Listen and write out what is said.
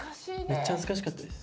めっちゃ恥ずかしかったです。